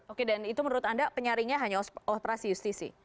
oke dan itu menurut anda penyaringnya hanya operasi justisi